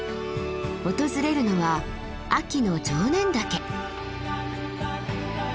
訪れるのは秋の常念岳。